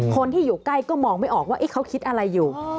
คนที่อยู่ใกล้ก็มองไม่ออกว่าเขาคิดอะไรอยู่